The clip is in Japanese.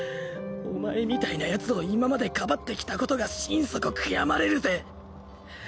お前みたいなやつを今までかばってきたことが心底悔やまれるぜ。